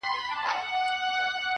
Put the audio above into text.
• دا خواركۍ راپسي مه ږغـوه.